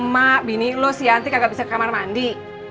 mak bini lo sianti kagak bisa ke kamar mandi